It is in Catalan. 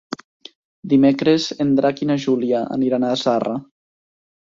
Dimecres en Drac i na Júlia aniran a Zarra.